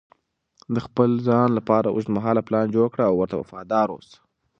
د خپل ځان لپاره اوږدمهاله پلان جوړ کړه او ورته وفادار اوسه.